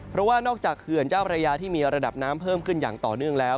เพราะว่านอกจากเขื่อนเจ้าพระยาที่มีระดับน้ำเพิ่มขึ้นอย่างต่อเนื่องแล้ว